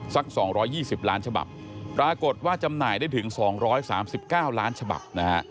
สัก๒๒๐ล้านฉบับปรากฏว่าจำหน่ายได้ถึง๒๓๙ล้านฉบับนะฮะ